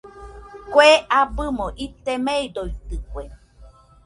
Kue abɨmo ite meidoitɨkue.